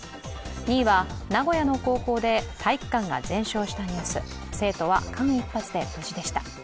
２位は名古屋の高校で体育館が全焼したニュース、生徒は間一髪で無事でした。